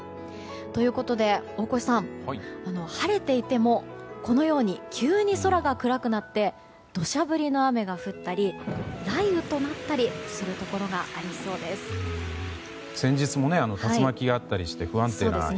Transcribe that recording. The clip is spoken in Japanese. ということで、大越さん晴れていても、このように急に空が暗くなって土砂降りの雨が降ったり雷雨となったりするところがありそうです。